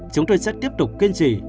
chúng tôi sẽ tiếp tục kiên trì